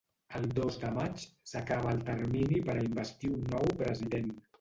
El dos de maig s’acaba el termini per a investir un nou president.